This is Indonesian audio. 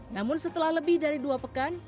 namun setelah lebih dari dua pekan